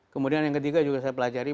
kemudian yang ketiga juga saya pelajari